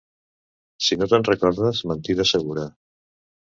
Si no te'n recordes, mentida segura.